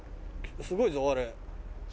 すごいぞあれ。